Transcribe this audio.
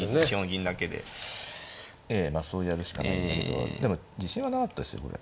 ええまあそうやるしかないんだけどでも自信はなかったですよこれ。